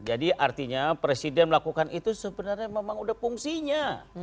artinya presiden melakukan itu sebenarnya memang udah fungsinya